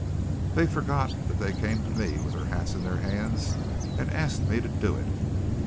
"They forget that they came to me with their hats in their hands and asked me to do it.